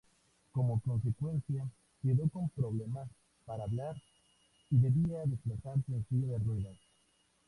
Como consecuencia, quedó con problemas para hablar y debía desplazarse en silla de ruedas.